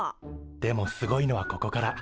でもすごいのはここから。